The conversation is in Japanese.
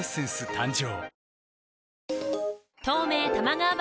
誕生